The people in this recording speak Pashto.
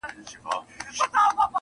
د لېوه ستونی فارغ سو له هډوکي-